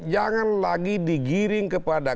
jangan lagi digiring kepada